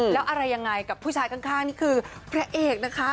แล้วอะไรยังไงกับผู้ชายข้างนี่คือพระเอกนะคะ